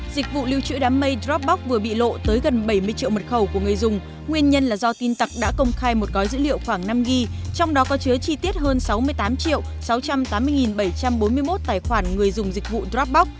dịch vụ lưu trữ đám mây dropok vừa bị lộ tới gần bảy mươi triệu mật khẩu của người dùng nguyên nhân là do tin tặc đã công khai một gói dữ liệu khoảng năm g trong đó có chứa chi tiết hơn sáu mươi tám triệu sáu trăm tám mươi bảy trăm bốn mươi một tài khoản người dùng dịch vụ drapbox